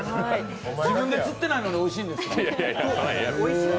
自分で釣ってないのにおいしいんですか。